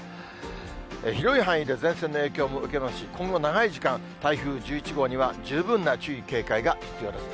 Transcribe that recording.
広い範囲で前線の影響も受けますし、今後長い時間、台風１１号には十分な注意、警戒が必要です。